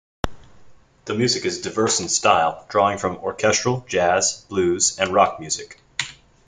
The music is diverse in style, drawing from orchestral, jazz, blues and rock music.